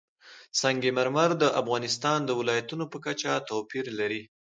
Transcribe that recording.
سنگ مرمر د افغانستان د ولایاتو په کچه توپیر لري.